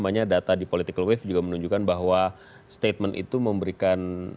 namanya data di political wave juga menunjukkan bahwa statement itu memberikan